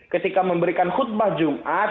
ketika memberikan khutbah jumat